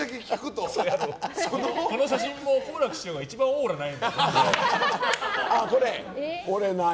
この写真も好楽師匠が一番オーラないな。